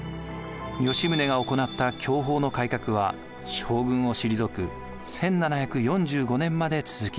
吉宗が行った享保の改革は将軍を退く１７４５年まで続きました。